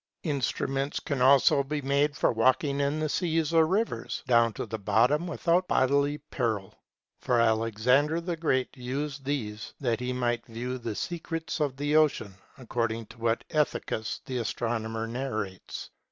Instruments can also be made for walking in the sea or rivers, down to the bottom, without bodily peril. For Alexander the Great used these that he might view the secrets of the ocean, according to what Ethicus the astronomer narrates.